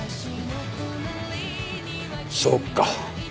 そうか。